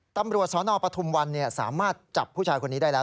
ตำรวจสนปฐุมวันสามารถจับผู้ชายคนนี้ได้แล้ว